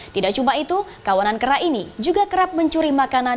tidak cuma itu kawanan kera ini juga kerap mencuri makanan